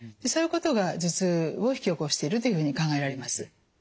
そういうことが頭痛を引き起こしているというふうに考えられます。